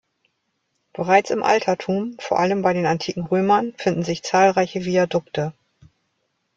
Bereits im Altertum, vor allem bei den antiken Römern, finden sich zahlreiche Viadukte.